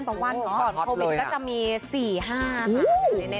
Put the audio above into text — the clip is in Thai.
ก็จะมี๔๕ค่ะ